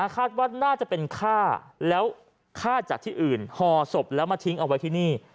คาดว่าน่าจะเป็นฆ่าแล้วฆ่าจากที่อื่นห่อศพแล้วมาทิ้งเอาไว้ที่นี่